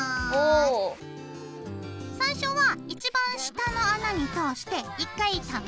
最初は一番下の穴に通して１回玉結び。